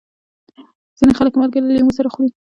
ځینې خلک مالګه له لیمو سره خوري.